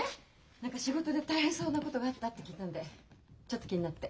何か仕事で大変そうなことがあったって聞いたんでちょっと気になって。